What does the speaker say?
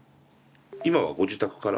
今はご自宅から？